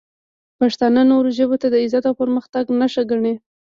پښتانه نورو ژبو ته د عزت او پرمختګ نښه ګڼي.